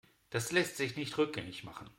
Das lässt sich nicht rückgängig machen.